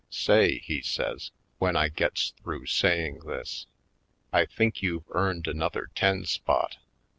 "Say," he says, when I gets through say ing this, "I think you've earned another ten spot."